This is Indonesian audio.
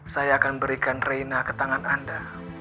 saya akan berikan reina ke tangan anda